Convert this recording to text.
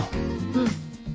うん。